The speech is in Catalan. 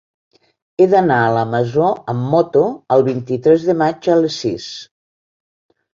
He d'anar a la Masó amb moto el vint-i-tres de maig a les sis.